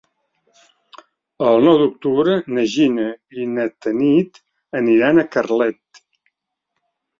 El nou d'octubre na Gina i na Tanit aniran a Carlet.